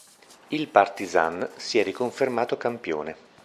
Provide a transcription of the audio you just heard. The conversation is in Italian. Il Partizan si è riconfermato campione.